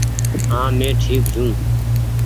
هآنٚ مينٚ ٺيڪ ڇوٚنٚ